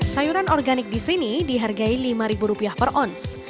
sayuran organik di sini dihargai lima rupiah per ons